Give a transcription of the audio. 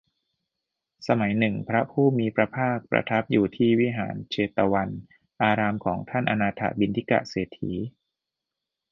สมัยหนึ่ง พระผู้มีพระภาคประทับอยู่ที่พระวิหารเชตวันอารามของท่านอนาถบิณฑิกเศรษฐี